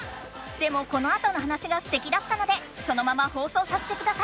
でもこのあとの話がすてきだったのでそのまま放送させてください。